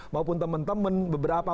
maupun teman teman beberapa